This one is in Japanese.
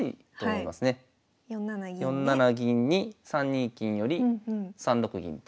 ４七銀に３二金寄３六銀と。